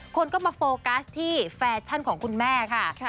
คนก็มาโฟกัสที่แฟชั่นของคุณแม่ค่ะ